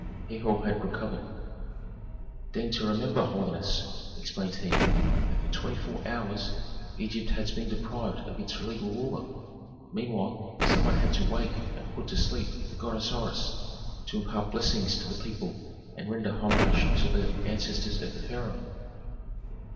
Herhor had recovered. "Deign to remember, holiness," explained he, "that for twenty four hours Egypt has been deprived of its legal ruler. Meanwhile some one had to wake and put to sleep the god Osiris, to impart blessings to the people and render homage to the ancestors of the pharaoh.